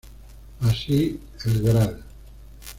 Así el Gral.